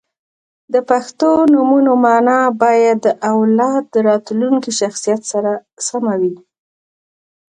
• د پښتو نومونو مانا باید د اولاد د راتلونکي شخصیت سره سمه وي.